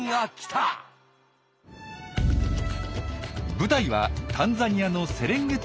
舞台はタンザニアのセレンゲティ国立公園。